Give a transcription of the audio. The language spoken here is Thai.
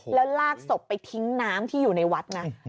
แล้วลากศพไปทิ้งน้ำที่อยู่ในวัดนะ